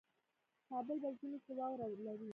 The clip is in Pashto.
کابل په ژمي کې واوره لري